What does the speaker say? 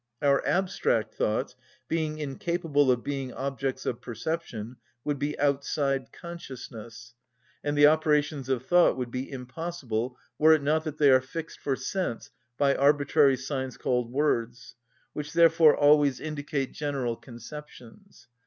Our abstract ideas, being incapable of being objects of perception, would be outside consciousness, and the operations of thought would be impossible, were it not that they are fixed for sense by arbitrary signs called words, which therefore always indicate general conceptions.